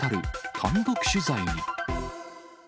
単独取材に。